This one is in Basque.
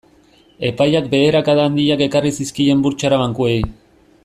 Epaiak beherakada handiak ekarri zizkien burtsara bankuei.